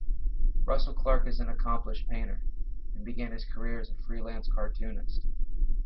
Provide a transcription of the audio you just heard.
Russell-Clarke is an accomplished painter, and began his career as a freelance cartoonist.